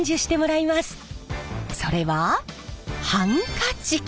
それはハンカチ！